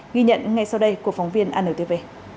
ghi nhận ngay sau đây của phóng viên anntv